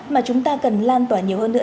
mà chúng ta cần lan tỏa nhiều hơn nữa